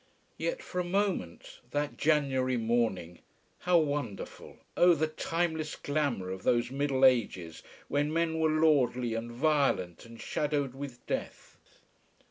Yet for a moment, that January morning, how wonderful, oh, the timeless glamour of those Middle Ages when men were lordly and violent and shadowed with death.